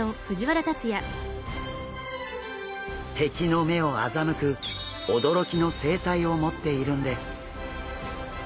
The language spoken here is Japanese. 敵の目を欺く驚きの生態を持っているんです。